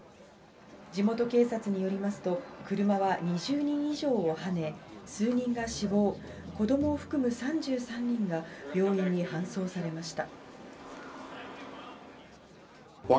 地元警察によりますと、車は２０人以上をはね、数人が死亡、子どもを含む３３人が病院に搬送されました。